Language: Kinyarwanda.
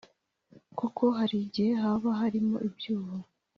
kuko hari igihe haba harimo ibyuho